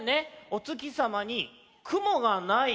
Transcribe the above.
お月さまに雲が無い。